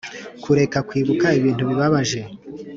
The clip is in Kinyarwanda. kureka kwibuka ibintu bibabaje